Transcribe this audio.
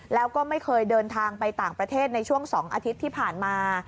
แล้วก็ไม่เคยเดินทางไปต่างประเทศในช่วง๒อาทิตย์ที่ผ่านมา